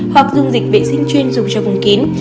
hoặc dùng dịch vệ sinh chuyên dùng cho vùng kín